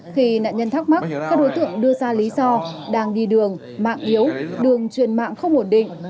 khi nạn nhân thắc mắc các đối tượng đưa ra lý do đang đi đường mạng yếu đường truyền mạng không ổn định